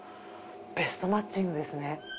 ベストマッチングですね。